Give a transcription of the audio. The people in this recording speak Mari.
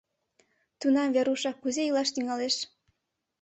Тунам Верушна кузе илаш тӱҥалеш?